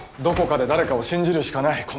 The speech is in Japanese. どこかで誰かを信じるしかない。